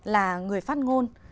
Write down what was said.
là người phát ngôn